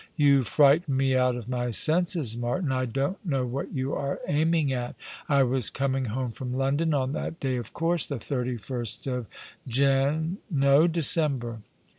" You frighten me out of my senses, Martin. I don't know what you are aiming at. I was coming home from London on that day — of course — the 31st of Jan — no, Decem ber.